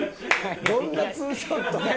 どんなツーショットなんなん？